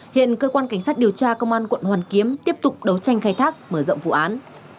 hiện cơ quan cảnh sát điều tra công an quận hoàn kiếm tiếp tục đấu tranh khai thác mở rộng vụ án